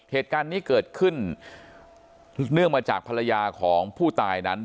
เหตุการณ์นี้เกิดขึ้นเนื่องมาจากภรรยาของผู้ตายนั้น